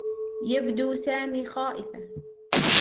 يبدو سامي خائفا.